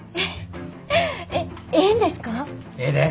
ええで。